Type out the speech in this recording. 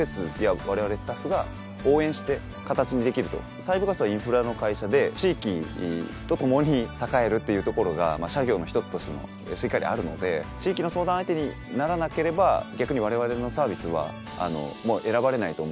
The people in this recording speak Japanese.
西部ガスはインフラの会社で地域と共に栄えるっていうところが社業の一つとしてしっかりあるので地域の相談相手にならなければ逆に我々のサービスは選ばれないと思ってますし。